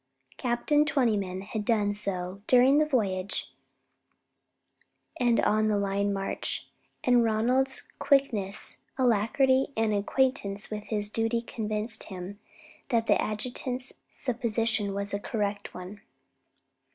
Captain Twentyman had done so during the voyage and on the line of march, and Ronald's quickness, alacrity, and acquaintance with his duty convinced him that the adjutant's supposition was a correct one.